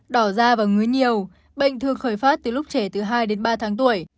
đỏ da và ngứa nhiều bệnh thường khởi phát từ lúc trẻ từ hai đến ba tháng tuổi